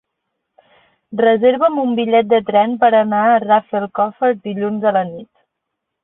Reserva'm un bitllet de tren per anar a Rafelcofer dilluns a la nit.